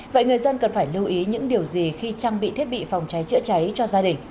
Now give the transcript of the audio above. vậy người dân cần phải lưu ý những điều gì khi trang bị thiết bị phòng cháy chữa cháy cho gia đình